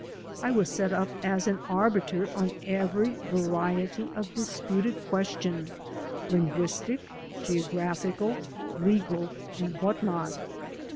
I was set up as ail arbiter on every variety of disputed question, linguistic, geographical, legal, and what not.